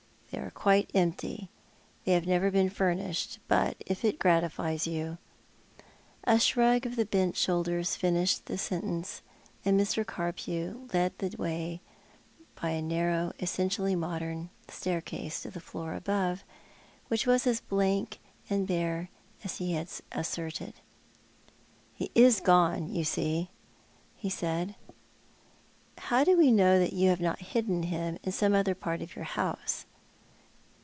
" Thoy are quite empty— they have never been furnished— but if it gratifies you " A shrug of the bent shoulders finished the sentence, and Mr. Carpcw led the way by a narrow essentially modern stair case to the floor above, which was as blank and bare as he had asserted. " He is gone, you see," he said. " How do we know that you have not hidden him in some other i^art of your house?